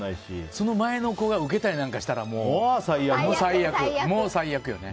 その前の子がウケたりなんかしたらもう、最悪よね。